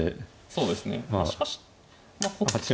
そうですね。